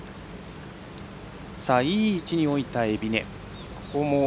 いい位置に置いた海老根。